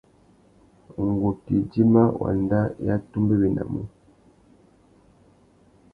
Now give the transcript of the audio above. Ngu tà idjima wanda i atumbéwénamú.